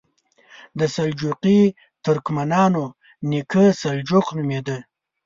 د سلجوقي ترکمنانو نیکه سلجوق نومېده.